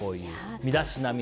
身だしなみ。